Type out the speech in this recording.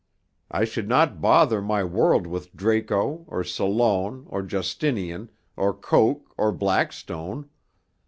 I should not bother my world with Draco, or Solon, or Justinian, or Coke, or Blackstone.